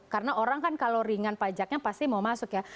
karena orang kan kalau ringan pajaknya pasti mau masuk ya